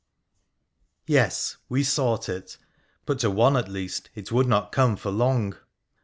Yes ! we sought it, but to one, at least, it would not come for long